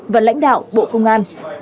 và lãnh đạo bộ công an